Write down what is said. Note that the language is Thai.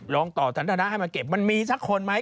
ลองต่อสันทนาให้มาเก็บมันมีสักคนไหม